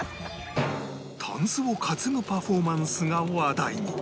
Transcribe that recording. タンスを担ぐパフォーマンスが話題に